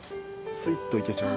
スイっといけちゃう。